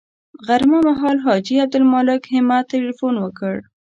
غرمه مهال حاجي عبدالمالک همت تیلفون وکړ.